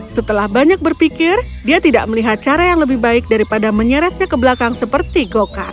setelah banyak berpikir dia tidak melihat cara yang lebih baik daripada menyeretnya ke belakang seperti go kart